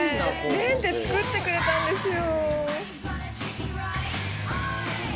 「レン」って作ってくれたんですよ。